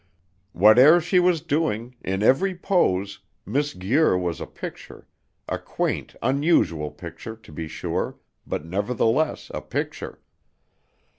Whate'er she was doing, in every pose, Miss Guir was a picture a quaint, unusual picture, to be sure, but nevertheless a picture.